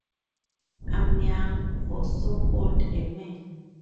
I’m young — for so old a man.